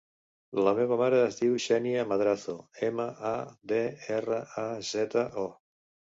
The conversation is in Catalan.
La meva mare es diu Xènia Madrazo: ema, a, de, erra, a, zeta, o.